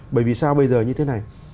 bởi vì sao bây giờ như thế này